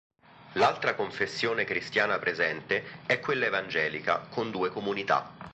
L'altra confessione cristiana presente è quella evangelica con due comunità.